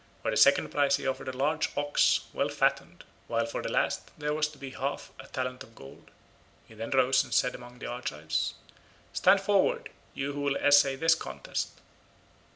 For the second prize he offered a large ox, well fattened, while for the last there was to be half a talent of gold. He then rose and said among the Argives, "Stand forward, you who will essay this contest."